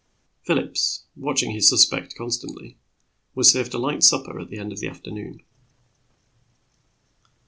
Phillips, watching his suspect constantly, was served a light supper at the end of the afternoon.